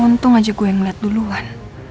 untung aja gue yang ngeliat duluan